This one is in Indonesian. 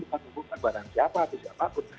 bukan hukum perbanan siapa atau siapapun